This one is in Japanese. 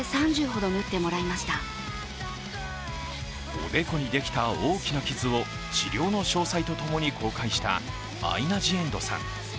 おでこにできた大きな傷を治療の詳細とともに公開したアイナ・ジ・エンドさん。